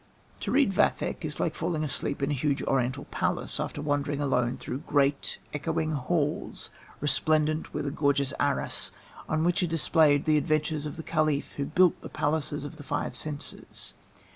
To read Vathek is like falling asleep in a huge Oriental palace after wandering alone through great, echoing halls resplendent with a gorgeous arras, on which are displayed the adventures of the caliph who built the palaces of the five senses.